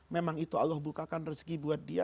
memang itu allah bukakan rezeki buat dia